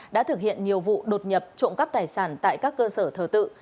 đã thực hiện nhiều vụ đột nhập trộm cắp tài sản tại các cơ sở thờ tự